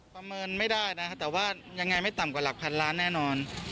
ประเมินไม่ได้นะแต่ว่ายังไงไม่ต่ำกว่าหลักพันล้านแน่นอน